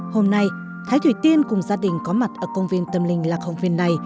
hôm nay thái thủy tiên cùng gia đình có mặt ở công viên tâm linh lạc hồng viên này